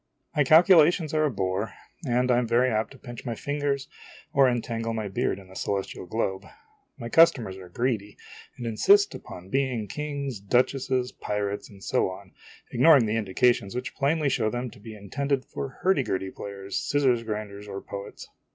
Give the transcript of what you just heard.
My calculations are a bore ; and I am very apt to pinch my fingers or entangle my beard in the celestial globe. My customers are greedy, and insist upon being kings, duchesses, pirates, and so on, ignoring the indications which plainly show them to be intended for hurdy gurdy players, scissors grinders, or poets.